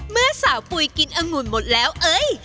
เมื่อสาวปุ๋ยกินอังุ่นหมดแล้วเอ้ย